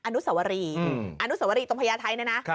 อนุสวรีอนุสวรีตรงพระยาไทยนะนะ